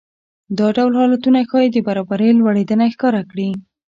دا ډول حالتونه ښايي د برابرۍ لوړېدنه ښکاره کړي